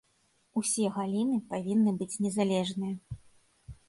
Усе галіны павінны быць незалежныя.